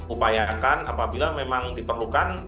upayakan apabila memang diperlukan